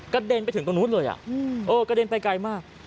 เด็นไปถึงตรงนู้นเลยกระเด็นไปไกลมาก